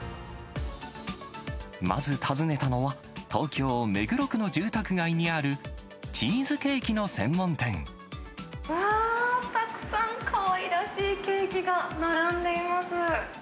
まず訪ねたのは、東京・目黒区の住宅街にある、チーズケーキの専うわー、たくさんかわいらしいケーキが並んでいます。